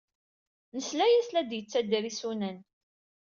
Nesla-as la d-yettader isunan.